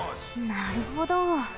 なるほど。